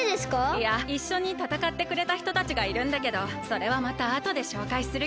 いやいっしょにたたかってくれたひとたちがいるんだけどそれはまたあとでしょうかいするよ。